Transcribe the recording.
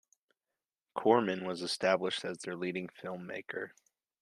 Corman was established as their leading filmmaker.